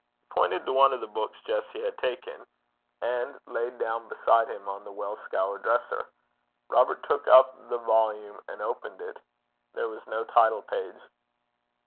He pointed to one of the books Jessie had taken from the crap o' the wa' and laid down beside him on the well scoured dresser. Robert took up the volume and opened it. There was no title page.